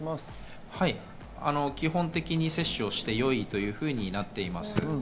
基本的に接種してよいというふうになっています。